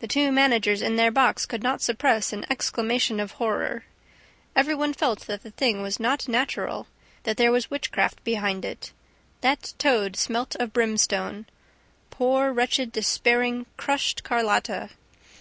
The two managers in their box could not suppress an exclamation of horror. Every one felt that the thing was not natural, that there was witchcraft behind it. That toad smelt of brimstone. Poor, wretched, despairing, crushed Carlotta!